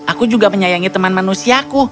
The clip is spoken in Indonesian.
aku juga menyayangi teman manusiaku